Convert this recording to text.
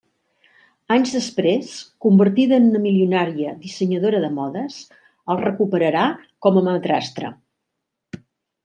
Anys després, convertida en una milionària dissenyadora de modes, el recuperarà com a madrastra.